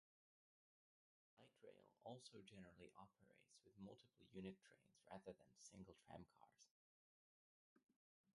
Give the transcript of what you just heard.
Light rail also generally operates with multiple unit trains rather than single tramcars.